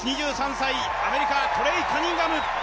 ２３歳、アメリカ、トレイ・カニンガム。